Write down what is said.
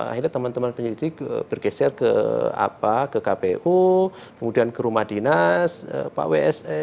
akhirnya teman teman penyelidik bergeser ke kpu kemudian ke rumah dinas pak wse